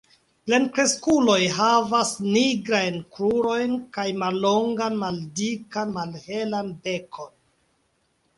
Plenkreskuloj havas nigrajn krurojn kaj mallongan maldikan malhelan bekon.